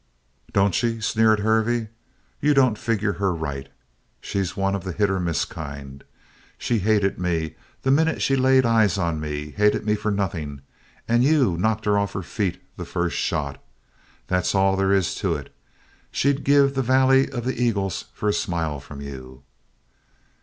"Don't she?" sneered Hervey. "You don't figure her right. She's one of the hit or miss kind. She hated me the minute she laid eyes on me hated me for nothing! And you knocked her off her feet the first shot. That's all there is to it. She'd give the Valley of the Eagles for a smile from you."